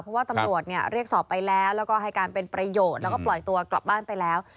เพราะว่าตำรวจเนี่ยเรียกสอบไปแล้วแล้วก็ให้การเป็นประโยชน์แล้วก็ปล่อยตัวกลับบ้านไปแล้ว